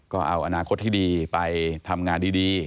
ก็เอาอนาคตที่ดีไปทำงานดี